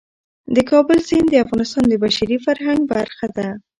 د کابل سیند د افغانستان د بشري فرهنګ برخه ده.